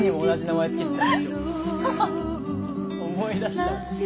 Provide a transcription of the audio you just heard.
思い出した。